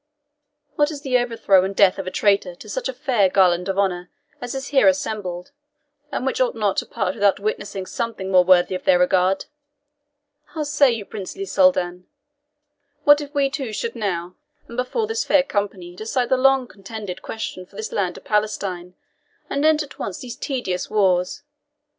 What is the overthrow and death of a traitor to such a fair garland of honour as is here assembled, and which ought not to part without witnessing something more worthy of their regard? How say you, princely Soldan? What if we two should now, and before this fair company, decide the long contended question for this land of Palestine, and end at once these tedious wars?